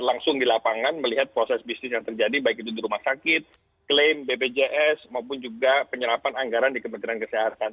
langsung di lapangan melihat proses bisnis yang terjadi baik itu di rumah sakit klaim bpjs maupun juga penyerapan anggaran di kementerian kesehatan